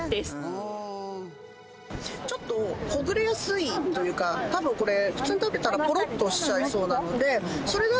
ちょっとほぐれやすいというか多分これ普通に食べたらポロッとしちゃいそうなので。